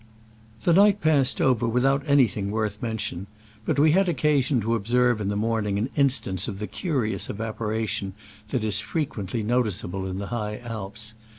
The night passed over without any thing worth mention, but we had oc casion to observe in the morning an in stance of the curious evaporation that is frequently noticeable in the High Alps.